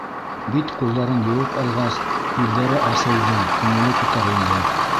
Бит-ҡулдарын йыуып алғас, күҙҙәре асылды, күңеле күтәрелде.